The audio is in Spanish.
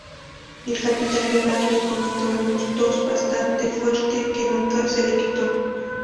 Al capitán Guevara le comenzó una tos bastante fuerte, que nunca se le quitó.